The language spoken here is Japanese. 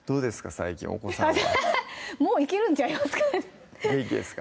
最近お子さんはもういけるんちゃいますか元気ですか？